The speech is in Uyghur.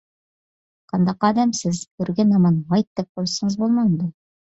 قانداق ئادەمسىز، كۆرگەن ھامان ھايت دەپ قويسىڭىز بولمامدۇ؟